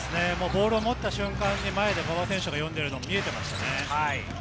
ボールを持った瞬間に前で馬場選手が呼んでるのを見えていましたね。